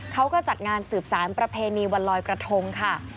เขาก็จัดงานสืบสารประเพณีวันลอยกระทงค่ะ